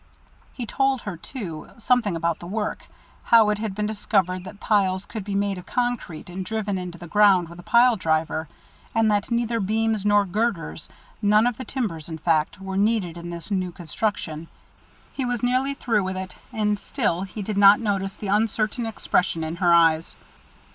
He told her, too, something about the work, how it had been discovered that piles could be made of concrete and driven into the ground with a pile driver, and that neither beams nor girders none of the timbers, in fact were needed in this new construction. He was nearly through with it, and still he did not notice the uncertain expression in her eyes.